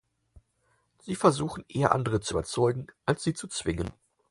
Sie versuchen eher, andere zu überzeugen, als sie zu zwingen.